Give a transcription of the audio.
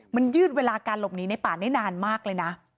มันยืดเวลาการหลบหนีในป่าได้นานมากเลยนะ